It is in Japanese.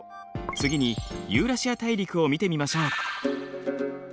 次にユーラシア大陸を見てみましょう。